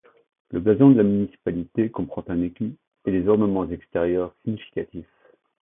Le blason de la municipalité comprend un écu et des ornements extérieurs significatifs.